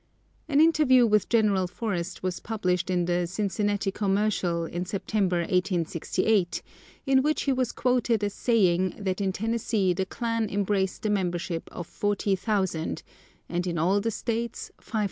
An interview with General Forrest was published in the Cincinnati Commercial in September, 1868, in which he was quoted as saying that in Tennessee the klan embraced a membership of 40,000, and in all the states 550,000.